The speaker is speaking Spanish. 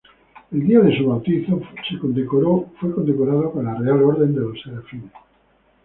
El día de su bautizo fue condecorado con la Real Orden de los Serafines.